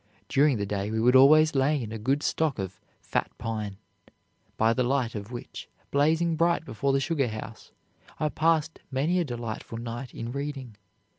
During the day we would always lay in a good stock of 'fat pine,' by the light of which, blazing bright before the sugar house, I passed many a delightful night in reading.